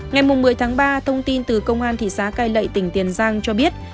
ngày một mươi ba thông tin từ công an thị xã cai lệ tỉnh tiền giang cho biết